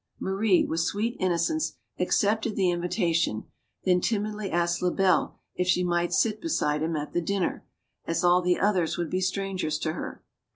Marie, with sweet innocence, accepted the invita 186 STORIES OF THE SUPER WOMEN tion ; then timidly asked Lebel if she might sit besi le him at the dinner, as all the others would be strangers to her.